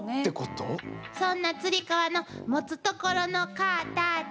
そんなつり革の持つところのカタチ。